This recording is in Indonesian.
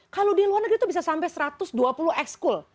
kalau di luar negeri itu bisa sampai satu ratus dua puluh ex school